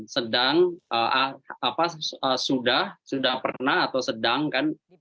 sedang apa sudah sudah pernah atau sedang kan